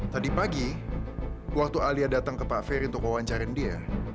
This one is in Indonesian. tadi pagi waktu alia datang ke pak ferry untuk wawancarin dia